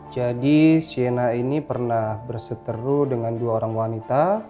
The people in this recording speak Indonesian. jadi siana ini pernah berseteru dengan dua orang wanita